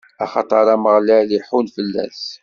axaṭer Ameɣlal iḥunn fell-as.